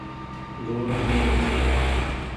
لوُڻ اهم ڇي۔